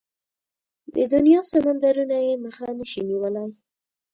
د دنيا سمندرونه يې مخه نشي نيولای.